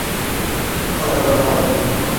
তিনি ব্যথিত অবস্থায় বা কোন অজানা কারণে মারা যান।